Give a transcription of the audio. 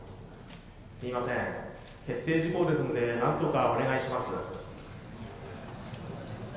「すいません決定事項ですのでなんとかお願いします」。